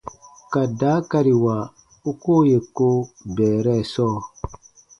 Ka daakariwa u koo yè ko bɛɛrɛ sɔɔ.